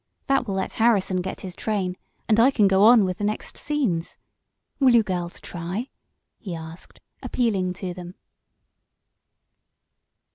That will let Harrison get his train, and I can go on with the next scenes. Will you girls try?" he asked, appealing to them.